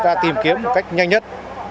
và tìm kiếm một cách nhanh nhất